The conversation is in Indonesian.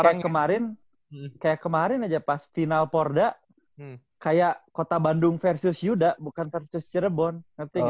karena kemarin kayak kemarin aja pas final porda kayak kota bandung versus yuda bukan versus cirebon